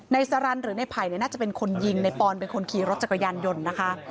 สารันหรือในไผ่น่าจะเป็นคนยิงในปอนเป็นคนขี่รถจักรยานยนต์นะคะ